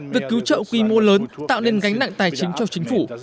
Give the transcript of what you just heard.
việc cứu trợ quy mô lớn tạo nên gánh nặng tài chính cho chính phủ